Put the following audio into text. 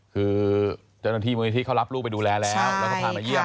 คือจ้าหน้าที่โมลนิธิเขารับลูกไปดูแลแล้ว